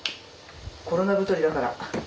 コロナ太りだから。